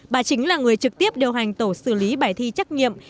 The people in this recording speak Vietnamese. bà chính là người trực tiếp điều hành tổ xử lý bài thi trách nhiệm